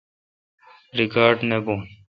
ریکاڑ نہ بھون